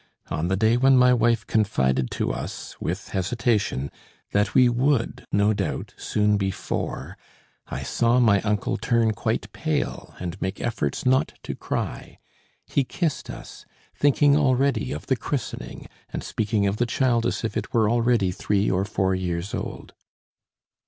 On the day when my wife confided to us with hesitation, that we would no doubt soon be four, I saw my uncle turn quite pale, and make efforts not to cry. He kissed us, thinking already of the christening, and speaking of the child as if it were already three or four years old.